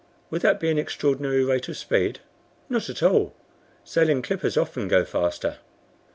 "Would that be an extraordinary rate of speed?" "Not at all; sailing clippers often go faster."